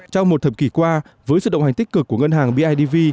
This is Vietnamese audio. trong một thập kỷ qua với sự động hành tích cực của ngân hàng bidv